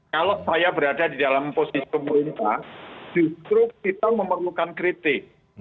kalau saya berada di dalam posisi pemerintah justru kita memerlukan kritik